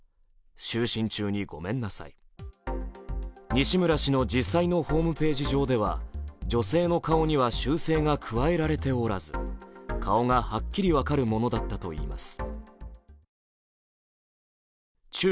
西村氏の実際のホームページ上では女性の顔には修正が加えられておらず顔がはっきり分かるものだったといいます。